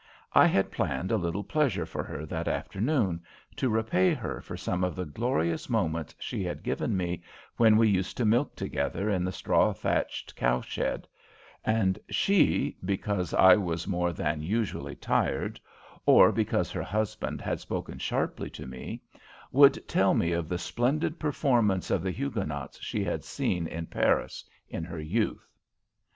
I had planned a little pleasure for her that afternoon, to repay her for some of the glorious moments she had given me when we used to milk together in the straw thatched cowshed and she, because I was more than usually tired, or because her husband had spoken sharply to me, would tell me of the splendid performance of the Huguenots she had seen in Paris, in her youth.